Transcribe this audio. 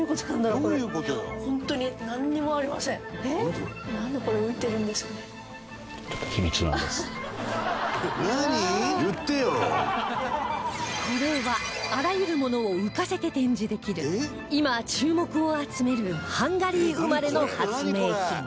そんな中博士ちゃんがこれはあらゆるものを浮かせて展示できる今注目を集めるハンガリー生まれの発明品